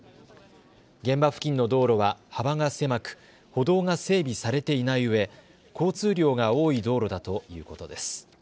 現場付近の道路は幅が狭く歩道が整備されていないうえ交通量が多い道路だということです。